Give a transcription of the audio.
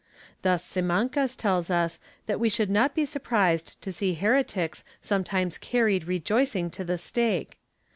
Thus Simancas tells us that we should not be surprised to see heretics sometimes carried rejoicing to the stake.